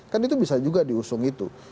kan itu bisa juga diusung itu